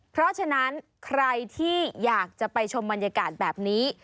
เพราะฉะนั้นใครที่อยากจะไปชมบรรยากาศแบบนี้